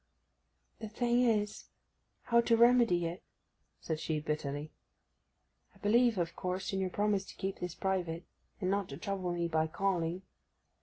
'The thing is, how to remedy it,' said she bitterly. 'I believe, of course, in your promise to keep this private, and not to trouble me by calling.